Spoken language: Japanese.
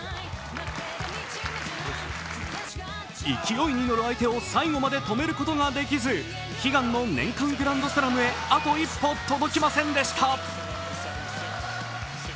勢いに乗る相手を最後まで止めることができず、悲願の年間グランドスラムへあと一歩届きませんでした。